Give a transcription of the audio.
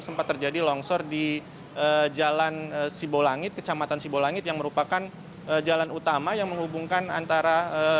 sempat terjadi longsor di jalan sibolangit kecamatan sibolangit yang merupakan jalan utama yang menghubungkan antara